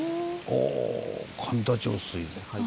お神田上水。